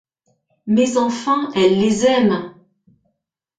Mais enfin elles les aiment.